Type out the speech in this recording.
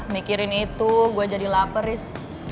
mikirin itu gue jadi lapar is